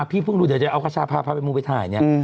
พี่เพิ่งดูเดี๋ยวจะเอากระชาพาพาไปมูไปถ่ายเนี่ย